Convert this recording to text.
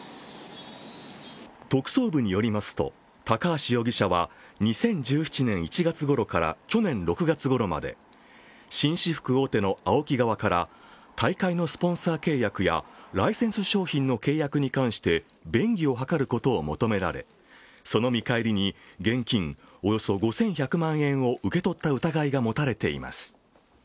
特捜部によりますと高橋容疑者は２０１７年１月ごろから去年６月ごろまで、紳士服大手のＡＯＫＩ側から大会のスポンサー契約やライセンス商品の契約について便宜を図ることを求められその見返りに現金およそ５１００万円を受け取った疑いが持たれています。